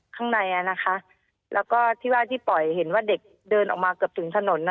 ข้างในอ่ะนะคะแล้วก็ที่ว่าที่ปล่อยเห็นว่าเด็กเดินออกมาเกือบถึงถนน